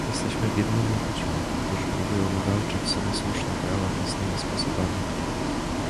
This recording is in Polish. "Jesteśmy biednymi ludźmi, którzy próbują wywalczyć sobie słuszne prawa własnymi sposobami."